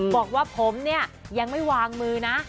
บอกว่าผมเนี่ยยังไม่วางมือนะ